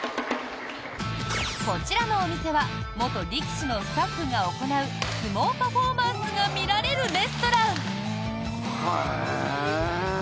こちらのお店は元力士のスタッフが行う相撲パフォーマンスが見られるレストラン。